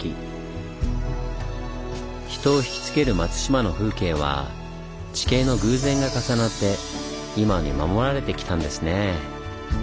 人をひきつける松島の風景は地形の偶然が重なって今に守られてきたんですねぇ。